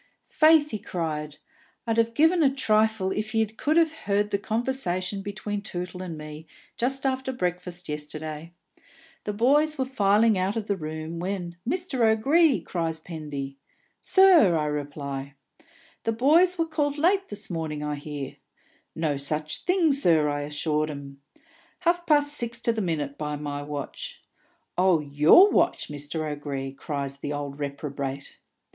"Faith," he cried, "I'd have given a trifle if ye could have heard the conversation between Tootle and me, just after breakfast yesterday. The boys were filing out of the room, when, 'Mr. O'Gree!' cries Pendy. 'Sir!' I reply. 'The boys were called late this morning, I hear.' 'No such thing, sir,' I assure 'um. 'Half past six to the minute, by my watch.' 'Oh, your watch, Mr. O'Gree,' cries the old reprobate.